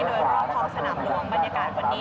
โดยรอบท้องสนามหลวงบรรยากาศวันนี้